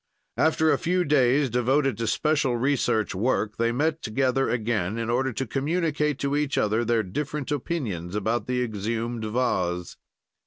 "After a few days devoted to special research work, they met together again in order to communicate to each other their different opinions about the exhumed vase.